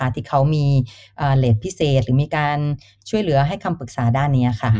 ที่เขามีเลสพิเศษหรือมีการช่วยเหลือให้คำปรึกษาด้านนี้ค่ะ